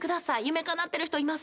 夢かなってる人います？